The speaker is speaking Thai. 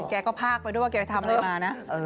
แกก็พากไปด้วยว่าแกทำอะไรมานะ